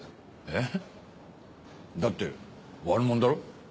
えっ？だって悪もんだろ？